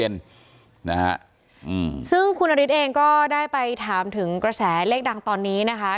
ก็คือทุกแผงที่มีนี่ก็รวบรวมไว้ให้ค่ะ